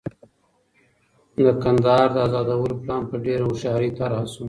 د کندهار د ازادولو پلان په ډېره هوښیارۍ طرح شو.